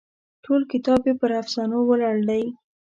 ټول کتاب یې پر افسانو ولاړ دی.